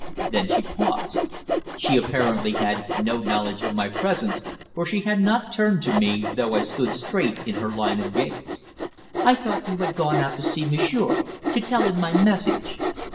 Then she paused. She apparently had no knowledge of my presence, for she had not turned to me, though I stood straight in her line of gaze. "I thought you had gone out to see Monsieur to tell him my message."